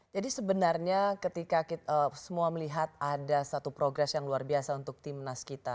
jadi sebenarnya ketika kita semua melihat ada satu progress yang luar biasa untuk tim nas kita